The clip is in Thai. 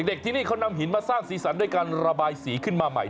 ที่นี่เขานำหินมาสร้างสีสันด้วยการระบายสีขึ้นมาใหม่